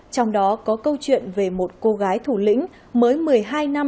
trong đó có câu chuyện về một cô gái thủ lĩnh mới một mươi hai năm sáu năm